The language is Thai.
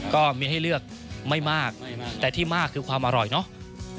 ก็มีให้เลือกไม่มากแต่ที่มากคือความอร่อยเนาะ